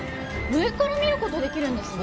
上から見ることできるんですね。